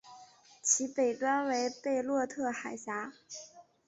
其北端为贝洛特海峡。